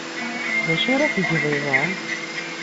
D acu ara tgeḍ iḍ-a?